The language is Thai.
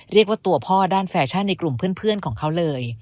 เรียกว่าตัวพ่อด้านแฟชั่นในกลุ่มเพื่อนของเขาเลย